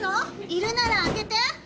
いるなら開けて！